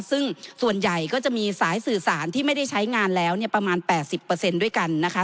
ซึ่งส่วนใหญ่ก็จะมีสายสื่อสารที่ไม่ได้ใช้งานแล้วเนี่ยประมาณ๘๐ด้วยกันนะคะ